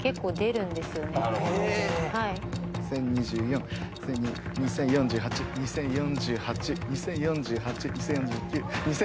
１，０２４２，０４８２，０４８２，０４８２，０４９。